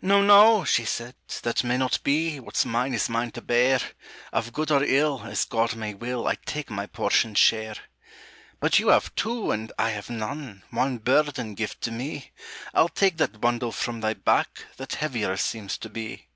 "No, no!" she said, "that may not be; What's mine is mine to bear; Of good or ill, as God may will, I take my portioned share." "But you have two, and I have none; One burden give to me; I'll take that bundle from thy back That heavier seems to be.